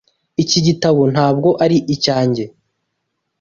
Iki gitabo ntabwo ari icyanjye